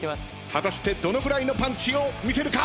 果たしてどのぐらいのパンチを見せるか？